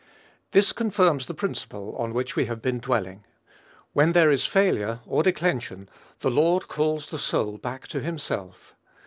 This confirms the principle on which we have been dwelling. When there is a failure or declension, the Lord calls the soul back to himself.